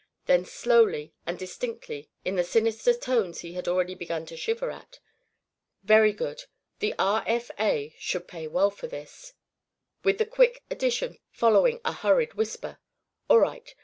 Then slowly and distinctly in the sinister tones he had already begun to shiver at: "Very good. The R. F. A. should pay well for this," with the quick addition following a hurried whisper: "All right!